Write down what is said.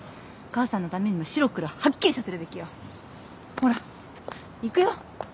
ほら行くよ。